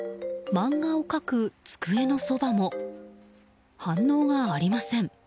漫画を描く机のそばも反応がありません。